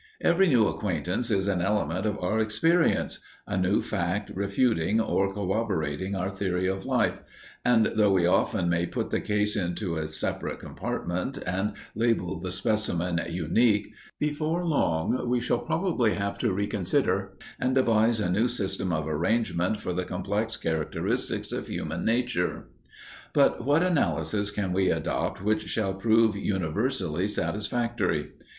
Every new acquaintance is an element of our experience a new fact refuting or corroborating our theory of life, and, though we often may put the case into a separate compartment and label the specimen "unique," before long we shall probably have to reconsider the whole collection and devise a new system of arrangement for the complex characteristics of human nature. But what analysis can we adopt which shall prove universally satisfactory?